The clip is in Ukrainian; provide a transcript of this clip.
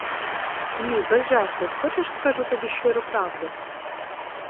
Ні, без жартів, хочеш, скажу тобі щиру правду?